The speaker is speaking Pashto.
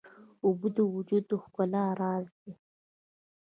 اوبه د وجود د ښکلا راز دي.